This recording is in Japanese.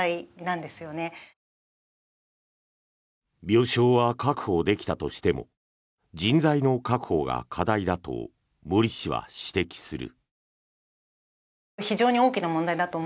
病床は確保できたとしても人材の確保が課題だと森氏は指摘する。